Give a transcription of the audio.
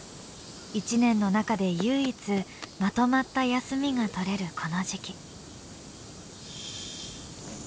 一年の中で唯一まとまった休みが取れるこの時期。